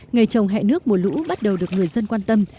nghề trồng hẹ nước mùa lũ bắt đầu được người dân quan tâm